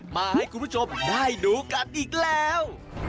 มาให้คุณผู้ชมได้ดูกันอีกแล้ว